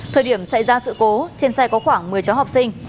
thời điểm xảy ra sự cố trên xe có khoảng một mươi cháu học sinh